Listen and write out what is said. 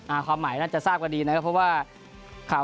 อ่าความหมายน่าจะทราบกว่านี้นะครับเพราะว่า